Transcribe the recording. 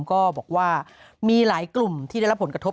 ก็บอกว่ามีหลายกลุ่มที่ได้รับผลกระทบ